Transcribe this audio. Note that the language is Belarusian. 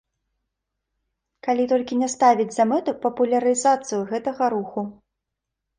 Калі толькі не ставіць за мэту папулярызацыю гэтага руху.